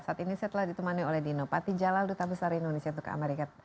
saat ini setelah ditemani oleh dino pati jalal duta besar indonesia untuk amerika